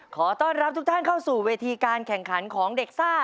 ขอต้อนรับทุกท่านเข้าสู่เวทีการแข่งขันของเด็กซ่า